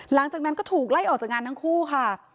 หลังจากนั้นก็ถูกไล่ออกจากงานทั้งคู่ค่ะ